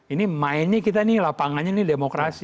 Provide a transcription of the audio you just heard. ini mainnya kita nih lapangannya ini demokrasi